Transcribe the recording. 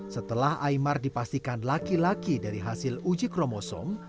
setelah imar dipastikan laki laki dari hasil uji kromosom